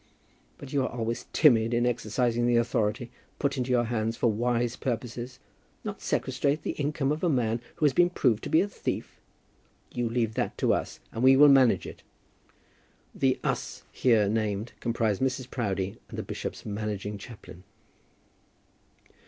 But you are always timid in exercising the authority put into your hands for wise purposes. Not sequestrate the income of a man who has been proved to be a thief! You leave that to us, and we will manage it." The "us" here named comprised Mrs. Proudie and the bishop's managing chaplain.